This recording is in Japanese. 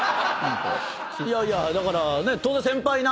いやいやだからね当然先輩なんで。